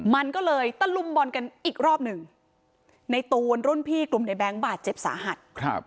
มันก็เลยตะลุมบอลกันอีกรอบหนึ่งในตูนรุ่นพี่กลุ่มในแบงค์บาดเจ็บสาหัส